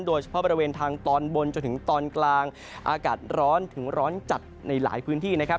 โดยเฉพาะบริเวณทางตอนบนจนถึงตอนกลางอากาศร้อนถึงร้อนจัดในหลายพื้นที่นะครับ